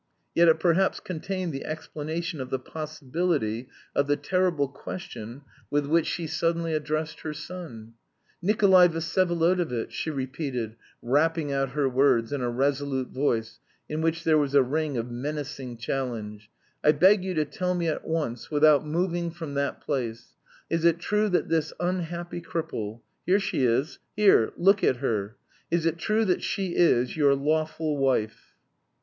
Yet it perhaps contained the explanation of the possibility of the terrible question with which she suddenly addressed her son. "Nikolay Vsyevolodovitch," she repeated, rapping out her words in a resolute voice in which there was a ring of menacing challenge, "I beg you to tell me at once, without moving from that place; is it true that this unhappy cripple here she is, here, look at her is it true that she is... your lawful wife?"